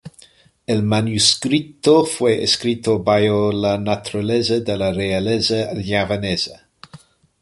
El manuscrito fue escrito bajo la naturaleza de la realeza javanesa.